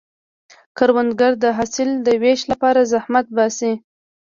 کروندګر د حاصل د ویش لپاره زحمت باسي